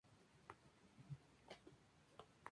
Era además socio de la American Academy of Arts and Sciences.